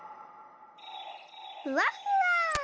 ふわふわ。